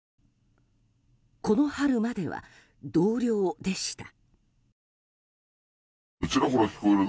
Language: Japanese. この春までは同僚でした。